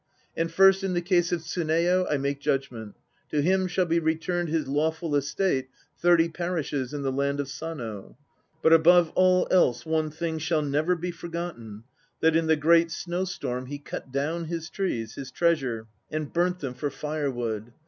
And first in the case of Tsuneyo, I make judgment. To him shall be returned his lawful estate, thirty parishes in the land of Sano. But above all else one thing shall never be forgotten, that in the great snowstorm he cut down his trees, his treasure, and burnt them for ood.